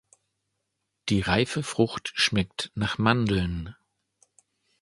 Die reife Frucht schmeckt nach Mandeln.